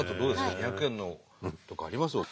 ２００円のとかあります？